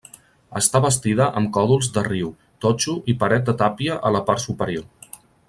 Està bastida amb còdols de riu, totxo i paret de tàpia a la part superior.